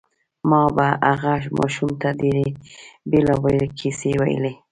ما به هغه ماشوم ته ډېرې بېلابېلې کیسې ویلې